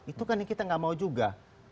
itu kan yang kita nggak mau juga